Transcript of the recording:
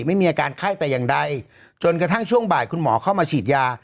ไม่มีอาการไข้แต่อย่างใดจนกระทั่งช่วงบ่ายคุณหมอเข้ามาฉีดยา